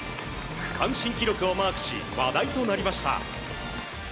区間新記録をマークし話題となりました。